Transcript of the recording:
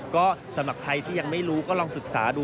ก็สำหรับใครที่ยังไม่รู้ก็ลองศึกษาดู